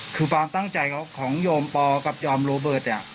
คือความตั้งใจของโยมปอกับโยมโรเบิร์ตเนี่ย